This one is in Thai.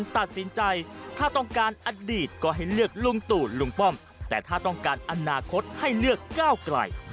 ตัดสินใจถ้าต้องการอดีตก็ให้เลือกลุงตู่ลุงป้อมแต่ถ้าต้องการอนาคตให้เลือกก้าวไกล